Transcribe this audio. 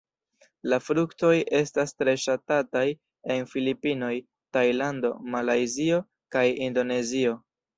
La fruktoj estas tre ŝatataj en Filipinoj, Tajlando, Malajzio kaj Indonezio.